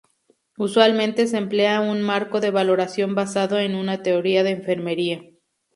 Usualmente, se emplea un marco de valoración basado en una teoría de enfermería.